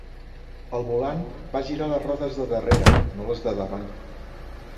El volant va girar les rodes de darrere, no les de davant.